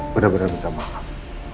benar benar minta maaf